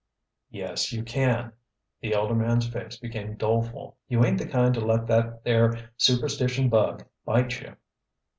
"Yes, you can," the older man's face became doleful. "You ain't the kind to let that there superstition bug bite you."